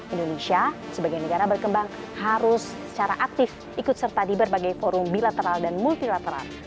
indonesia sebagai negara berkembang harus secara aktif ikut serta di berbagai forum bilateral dan multilateral